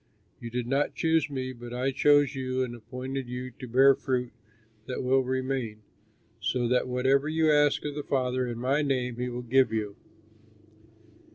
You did not choose me, but I chose you and appointed you to bear fruit that will remain, so that whatever you ask of the Father in my name he will give you."